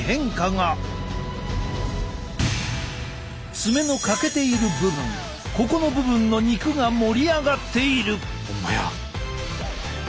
爪の欠けている部分ここの部分の肉が盛り上がっている！